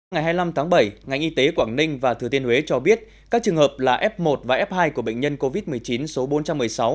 ngày hai mươi năm tháng bảy ngành y tế quảng ninh và thừa thiên huế cho biết các trường hợp là f một và f hai của bệnh nhân covid một mươi chín số bốn trăm một mươi sáu